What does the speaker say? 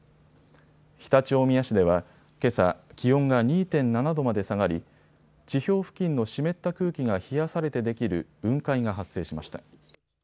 常陸大宮市ではけさ、気温が２．７度まで下がり地表付近の湿った空気が冷やされてできる雲海が発生しました。